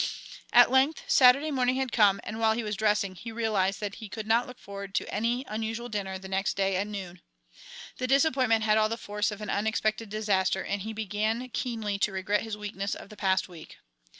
At length Saturday morning had come, and while he was dressing he realized that he could not look forward to any unusual dinner the next day at noon. The disappointment had all the force of an unexpected disaster and he began keenly to regret his weakness of the past week.